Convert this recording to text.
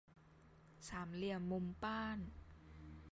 สามเหลี่ยมมุมป้าน